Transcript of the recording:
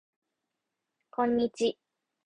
こんにち